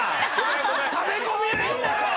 食べ込みはいいんだよ！